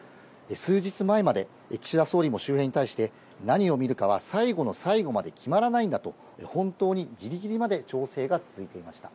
数日前まで岸田総理も周辺に対して、何を見るかは最後の最後まで決まらないんだと、本当にギリギリまで調整が続いていました。